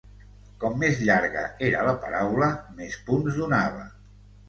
Com més llarga era la paraula, més punts donava.